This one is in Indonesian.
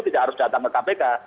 tidak harus datang ke kpk